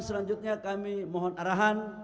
selanjutnya kami mohon arahan